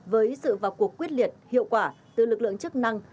với sự vào cuộc quyết liệt hiệu quả từ lực lượng chức năng